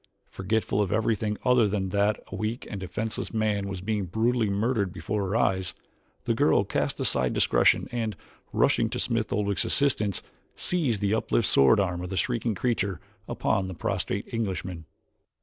Forgetful of everything other than that a weak and defenseless man was being brutally murdered before her eyes, the girl cast aside discretion and, rushing to Smith Oldwick's assistance, seized the uplifted sword arm of the shrieking creature upon the prostrate Englishman.